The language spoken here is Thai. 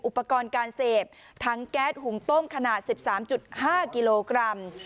อุปกรณ์การเสพทั้งแก๊สหุงต้มขนาด๑๓๕กิโลกรัม